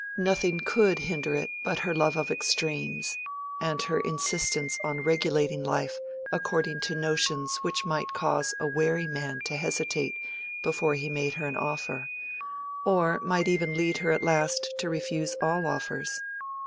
Nothing could hinder it but her love of extremes, and her insistence on regulating life according to notions which might cause a wary man to hesitate before he made her an offer, or even might lead her at last to refuse all offers.